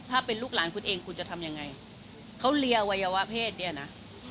ถ้าเป็นลูกหลานคุณเองคุณจะทำยังไงเขาเรียอวัยวะเพศเนี่ยนะ